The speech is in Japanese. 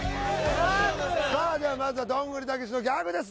さあではまずはどんぐりたけしのギャグです